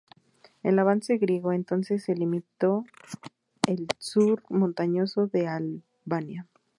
El avance griego, entonces, se limitó el sur montañoso de Albania.